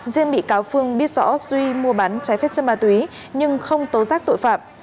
riêng bị cáo phương biết rõ duy mua bán trái phép chất ma túy nhưng không tố giác tội phạm